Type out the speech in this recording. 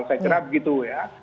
saya kira begitu ya